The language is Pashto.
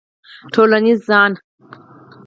ټولنیز ځان